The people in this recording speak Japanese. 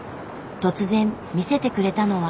突然見せてくれたのは。